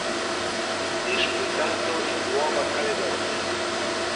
Disputato in Nuova Caledonia.